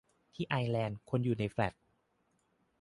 ที่ไอร์แลนด์ คนอยู่ในแฟลต